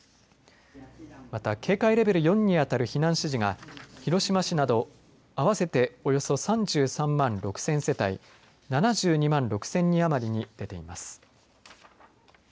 また、警戒レベル４に当たる避難指示が広島市など合わせておよそ３３万６０００世帯７２万６０００人余りに出ています。